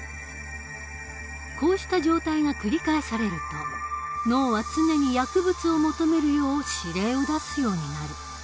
こうした状態が繰り返されると脳は常に薬物を求めるよう指令を出すようになる。